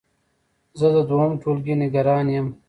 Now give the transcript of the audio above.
زه د دوهم ټولګی نګران يم